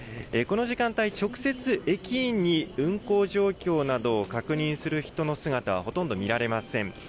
この時間帯、直接、駅員に運行状況などを確認する人の姿はほとんど見られません。